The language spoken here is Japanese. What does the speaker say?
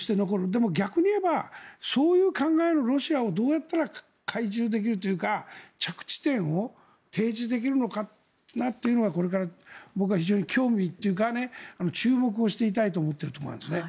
でも、逆に言えばそういう考えのロシアをどうやったら懐柔できるというか着地点を提示できるのかなっていうのはこれから僕は非常に興味というか注目していたいと思っているところなんですね。